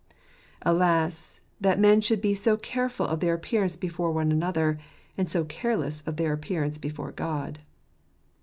Alas, that men should be so careful of their appearance before one another, and so careless of their appearance before God